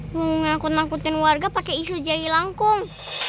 mau ngikut ngikutin warga pakai isu jari langkung